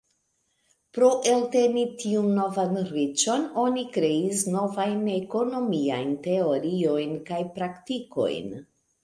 Pro elteni tiun novan riĉon, oni kreis novajn ekonomiajn teoriojn kaj praktikojn.